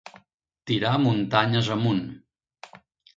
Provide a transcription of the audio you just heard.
Tirar muntanyes amunt.